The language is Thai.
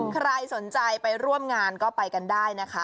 ใครสนใจไปร่วมงานก็ไปกันได้นะคะ